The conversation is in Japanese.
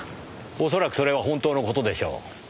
恐らくそれは本当の事でしょう。